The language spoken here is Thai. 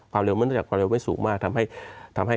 ความเร็วไม่สูงมากทำให้